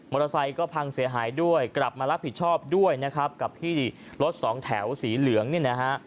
เตอร์ไซค์ก็พังเสียหายด้วยกลับมารับผิดชอบด้วยนะครับกับที่รถสองแถวสีเหลืองเนี่ยนะฮะ